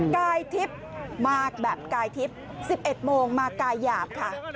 กายทิพย์มาแบบกายทิพย์๑๑โมงมากายหยาบค่ะ